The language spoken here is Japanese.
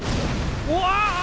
うわ！